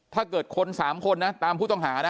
ถ้าเกิดคน๓คนนะตามผู้ต้องหานะ